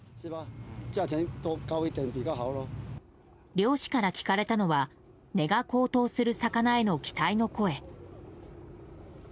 漁師から聞かれたのは値が高騰する魚への期待の声。